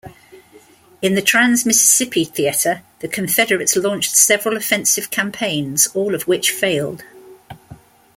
In the Trans-Mississippi Theater, the Confederates launched several offensive campaigns, all of which failed.